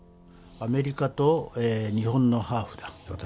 アメリカと日本のハーフだ私。